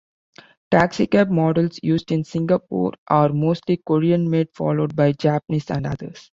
Taxicab models used in Singapore are mostly Korean-made, followed by Japanese and others.